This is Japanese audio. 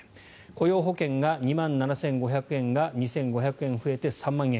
雇用保険が２万７５００円が２５００円増えて３万円。